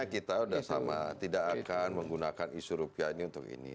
kita sudah sama tidak akan menggunakan isu rupiah ini untuk ini